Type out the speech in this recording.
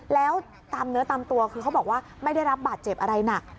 แล้วตามเนื้อตามตัวคือเขาบอกว่าไม่ได้รับบาดเจ็บอะไรหนัก